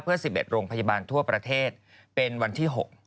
เพื่อ๑๑โรงพยาบาลทั่วประเทศเป็นวันที่๖